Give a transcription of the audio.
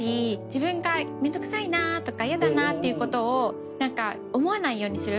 自分が面倒くさいなとかヤダなっていうことを思わないようにする。